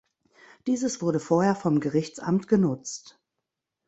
Dieses wurde vorher vom Gerichtsamt genutzt.